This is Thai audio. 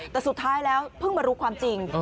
แต่สุดท้ายแล้วเพิ่งมารู้ความจริง